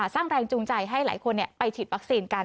สร้างแรงจูงใจให้หลายคนไปฉีดวัคซีนกัน